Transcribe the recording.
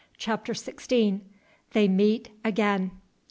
CHAPTER XVI. THEY MEET AGAIN.